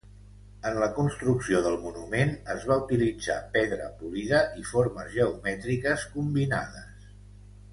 En la construcció del monument es va utilitzar pedra polida i formes geomètriques combinades.